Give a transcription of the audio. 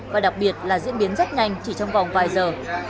và đặc biệt là diễn biến rất nhanh chỉ trong vòng vài giờ